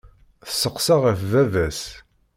Tesseqsa ɣef baba-s.